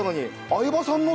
相葉さんの。